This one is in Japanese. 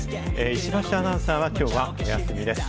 石橋アナウンサーはきょうはお休みです。